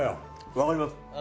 わかります。